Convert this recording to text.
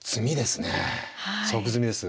即詰みです。